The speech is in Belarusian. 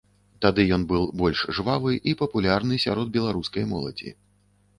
Тады ён быў больш жвавы і папулярны сярод беларускай моладзі.